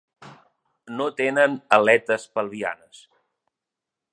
No tenen aletes pelvianes.